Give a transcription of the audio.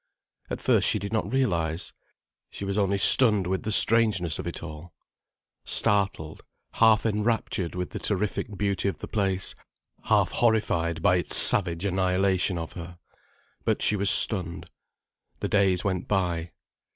At first she did not realize. She was only stunned with the strangeness of it all: startled, half enraptured with the terrific beauty of the place, half horrified by its savage annihilation of her. But she was stunned. The days went by.